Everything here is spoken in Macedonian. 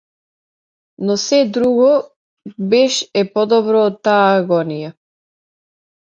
Но сѐ друго беш е подобро од таа агонија!